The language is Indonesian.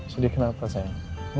sedih kenapa sayang